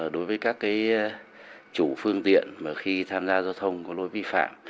đối với các chủ phương tiện mà khi tham gia giao thông có lỗi vi phạm